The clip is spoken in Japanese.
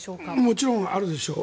もちろんあるでしょう。